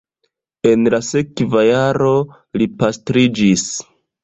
En la sekva jaro li pastriĝis.